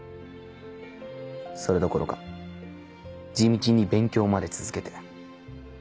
それどころか地道に勉強まで続けて。